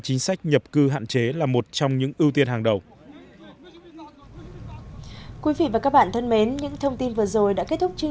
chính sách nhập cư hạn chế là một trong những ưu tiên hàng đầu